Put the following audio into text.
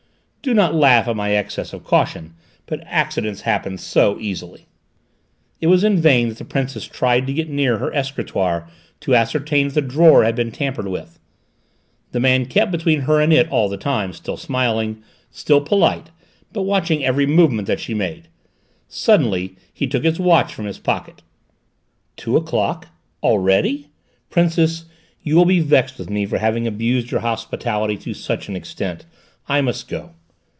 "Do not laugh at my excess of caution: but accidents happen so easily!" It was in vain that the Princess tried to get near her escritoire to ascertain if the drawer had been tampered with: the man kept between her and it all the time, still smiling, still polite, but watching every movement that she made. Suddenly he took his watch from his pocket. "Two o'clock! Already! Princess, you will be vexed with me for having abused your hospitality to such an extent. I must go!"